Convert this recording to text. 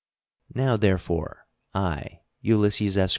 Now, therefore, I, Ulysses S.